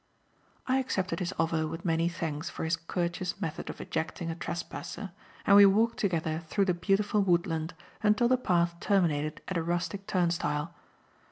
I accepted his offer with many thanks for his courteous method of ejecting a trespasser, and we walked together through the beautiful woodland until the path terminated at a rustic turnstile.